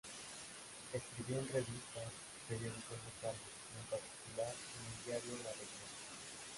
Escribió en revistas y periódicos locales, y en particular en el diario La Región.